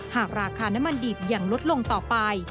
หากราคาน้ำมันดิบยังลดลงต่อไป